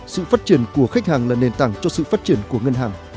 sự phát triển của khách hàng là nền tảng cho sự phát triển của ngân hàng